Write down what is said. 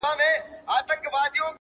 کلونه کېږي له زندانه اواز نه راوزي!